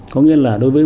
có nghĩa là đối với